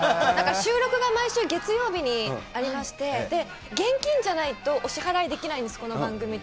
収録が毎週月曜日にありまして、現金じゃないとお支払いできないんです、この番組って。